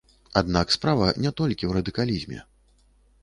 Аднак справа не толькі ў радыкалізме.